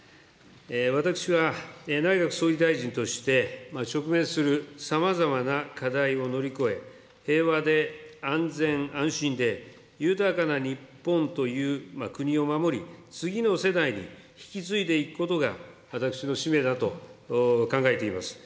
私は内閣総理大臣として、直面するさまざまな課題を乗り越え、平和で安全安心で、豊かな日本という国を守り、次の世代に引き継いでいくことが私の使命だと考えています。